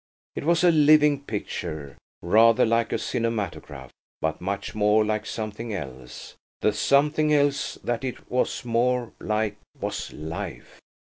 It was a living picture–rather like a cinematograph, but much more like something else. The something else that it was more like was life.